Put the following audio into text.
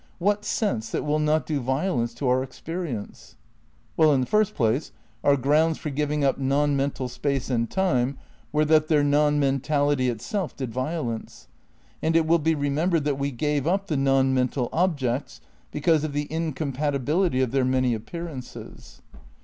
What sense that will not do violence to our experience ? Well, in the first place, our grounds for giving up non mental space and time were that their non mental ity itself did violence. And it will be remembered that we gave up the non mental objects because of the in compatibility of their many appearances.